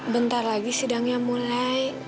bentar lagi sidangnya mulai